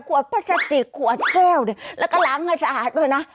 กลัวพัชติกลัวแก้วแล้วก็ล้างให้สะอาดด้วยนะ